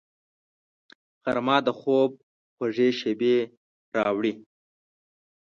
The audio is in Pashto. غرمه د خوب خوږې شېبې راوړي